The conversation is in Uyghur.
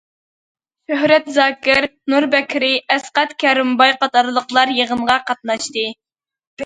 شۆھرەت زاكىر، نۇر بەكرى، ئەسقەت كەرىمباي قاتارلىقلار يىغىنغا قاتناشتى.